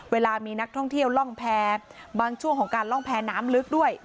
เวลามีนักท่องเที่ยวล่องแพรบางช่วงของการล่องแพรน้ำลึกด้วย